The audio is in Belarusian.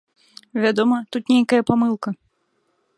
Вядома, тут нейкая памылка.